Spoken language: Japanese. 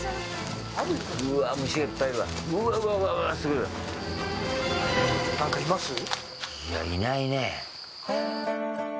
いや、いないね。